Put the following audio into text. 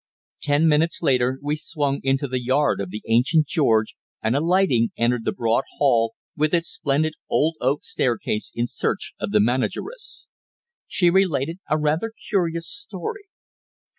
Ten minutes later we swung into the yard of the ancient George, and, alighting, entered the broad hall, with its splendid old oak staircase, in search of the manageress. She related a rather curious story.